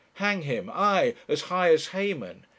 Hang him! aye, as high as Haman!